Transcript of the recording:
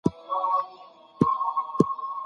غمونه په صبر تیر کړئ.